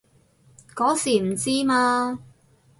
嗰時唔知嘛